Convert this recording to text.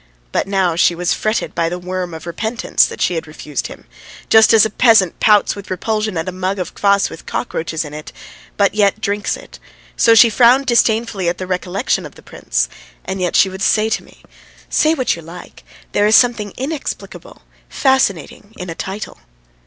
But now she was fretted by the worm of repentance that she had refused him; just as a peasant pouts with repulsion at a mug of kvass with cockroaches in it but yet drinks it, so she frowned disdainfully at the recollection of the prince, and yet she would say to me: "Say what you like, there is something inexplicable, fascinating, in a title.